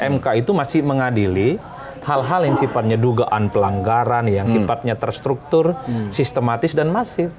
mk itu masih mengadili hal hal yang sifatnya dugaan pelanggaran yang sifatnya terstruktur sistematis dan masif